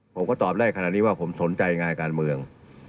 ผมก็ตอบได้ขนาดนี้ว่าผมสนใจงานการเมือง